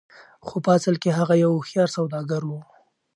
خو په اصل کې هغه يو هوښيار سوداګر و.